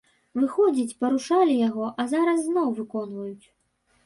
Выходзіць, парушалі яго, а зараз зноў выконваюць.